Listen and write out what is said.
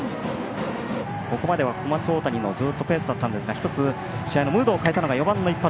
ここまでは小松大谷のペースだったんですが１つ試合のムードを変えたのが４番の一発。